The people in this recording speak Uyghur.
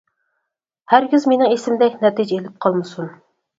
ھەرگىز مېنىڭ ئىسمىدەك نەتىجە ئېلىپ قالمىسۇن!